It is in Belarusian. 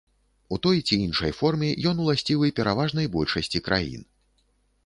У той ці іншай форме ён уласцівы пераважнай большасці краін.